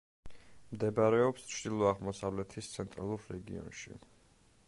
მდებარეობს ჩრდილო-აღმოსავლეთის ცენტრალურ რეგიონში.